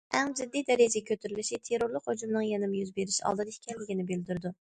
« ئەڭ جىددىي» دەرىجىگە كۆتۈرۈلۈشى تېررورلۇق ھۇجۇمىنىڭ يەنە يۈز بېرىش ئالدىدا ئىكەنلىكىنى بىلدۈرىدۇ.